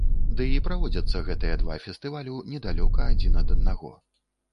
Ды і праводзяцца гэтыя два фестывалю недалёка адзін ад аднаго.